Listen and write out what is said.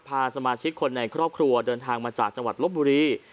พาสมาชิกคนในครอบครัวเดินทางมาจากจังหวัดลบบุรี